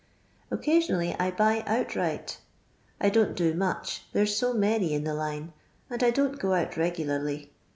Occasionally I buy out right I don*t do much, there 's so many in the line, and I don't go out regularly.